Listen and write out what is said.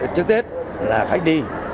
trước tết là khách đi